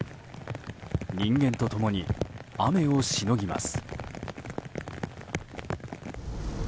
人間と共に雨をしのぎます。